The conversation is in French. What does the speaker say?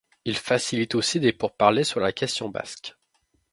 Il facilite aussi des pourparlers sur la question basque.